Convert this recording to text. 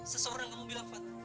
seseorang kamu bilang fat